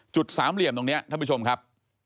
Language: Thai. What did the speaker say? สามเหลี่ยมตรงนี้ท่านผู้ชมครับ